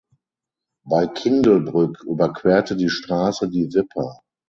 Bei Kindelbrück überquerte die Straße die Wipper.